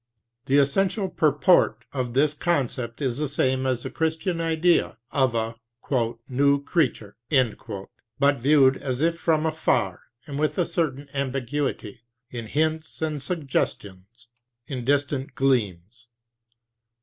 The essential purport of this concept is the same as the Christian idea of a "new creature," 23 but viewed as if from afar, and with a certain ambiguity, in hints and suggestions, in distant gleams.